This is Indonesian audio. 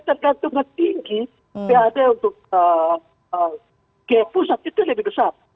tergantung tinggi pad untuk ke pusat itu lebih besar